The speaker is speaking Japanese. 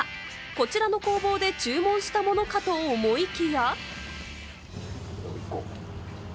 こちらの工房で注文したものかと思いきや。